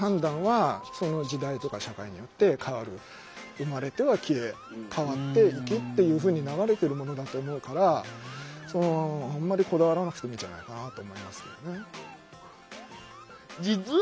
生まれては消え変わっていきっていうふうに流れてるものだと思うからあんまりこだわらなくてもいいんじゃないかなと思いますけどね。